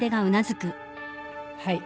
はい。